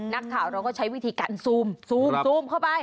นักข่าวเราก็ใช้วิธีการซูมซูมเข้าไป